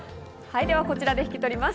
こちらで引き取ります。